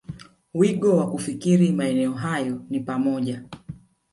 wigo wa kufikiri Maeneo hayo ni pamoja